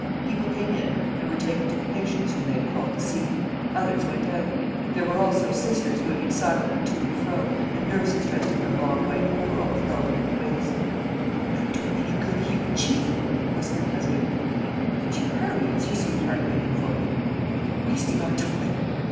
People came in and were taken to the patients whom they had called to see. Others went out. There were also sisters moving silently to and fro and nurses dressed in their long white overalls belted at the waist. "We're not doing any good here, Chief," whispered Mazeroux. "What's your hurry? Is your sweetheart waiting for you?" "We're wasting our time."